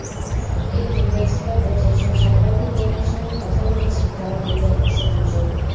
কিন্তু প্রেসক্লাবে যেসব সাংবাদিক বন্ধুর সঙ্গে কথা বলেছি, তাঁরা বললেন, ওসব গুজব।